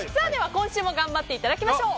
今週も頑張っていただきましょう。